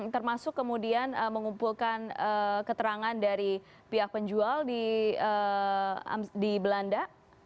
termasuk kemudian mengumpulkan keterangan dari pihak penjual di belanda